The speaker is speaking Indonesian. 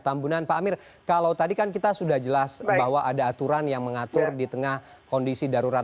tambunan pak amir kalau tadi kan kita sudah jelas bahwa ada aturan yang mengatur di tengah kondisi darurat